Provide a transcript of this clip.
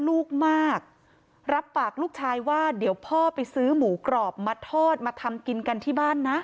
ลูกมากรับปากลูกชายว่าเดี๋ยวพ่อไปซื้อหมูกรอบมาทอดมาทำกินกันที่บ้านนะ